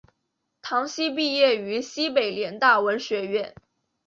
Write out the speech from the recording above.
唐祈毕业于西北联大文学院。